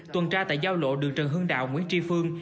tuần tra tại giao lộ đường trần hưng đạo nguyễn tri phương